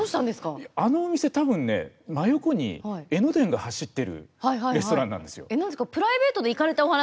真横に江ノ電が走っているレストランなんですよ。